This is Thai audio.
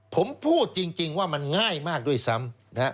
ผมพูดจริงว่ามันง่ายมากด้วยซ้ำนะฮะ